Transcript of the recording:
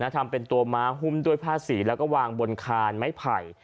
ทำเป็นตัวม้าหุ้มด้วยผ้าสีแล้วก็วางบนคานไม้ไผ่